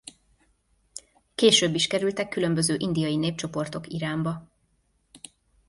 Később is kerültek különböző indiai népcsoportok Iránba.